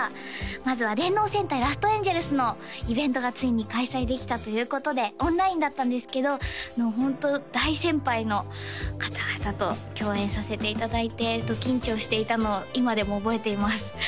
まずは「電脳戦隊ラストエンジェルス」のイベントがついに開催できたということでオンラインだったんですけどホント大先輩の方々と共演させていただいてド緊張していたのを今でも覚えています